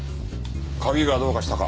鍵がどうかしたか？